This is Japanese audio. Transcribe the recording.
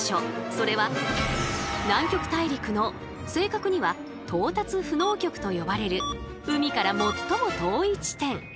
それは南極大陸の正確には「到達不能極」と呼ばれる海から最も遠い地点。